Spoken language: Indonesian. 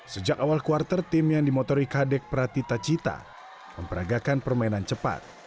sejak awal kuarter tim yang dimotori kadek pratita cita memperagakan permainan cepat